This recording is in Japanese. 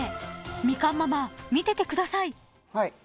［みかんママ見ててください］